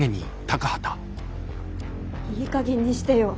いいかげんにしてよ！